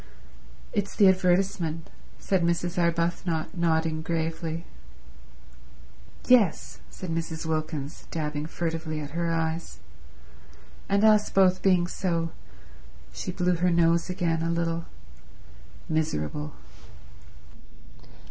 "It's the advertisement," said Mrs. Arbuthnot, nodding gravely. "Yes," said Mrs. Wilkins, dabbing furtively at her eyes, "and us both being so—"—she blew her nose again a little—"miserable."